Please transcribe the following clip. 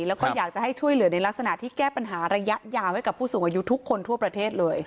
แล้วก็อยากจะให้ช่วยเหลือในลักษณะที่แก้ปัญหาระยะยาวให้กับผู้สูงอายุทุกคนทั่วประเทศเลย